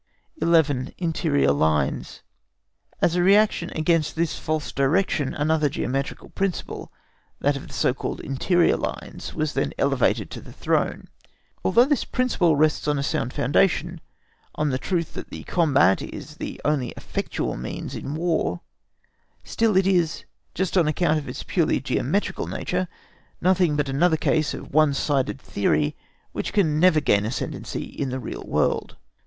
11. INTERIOR LINES. As a reaction against this false direction, another geometrical principle, that of the so called interior lines, was then elevated to the throne. Although this principle rests on a sound foundation, on the truth that the combat is the only effectual means in War, still it is, just on account of its purely geometrical nature, nothing but another case of one sided theory which can never gain ascendency in the real world.